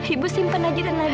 ibu simpan aja tenaga ibu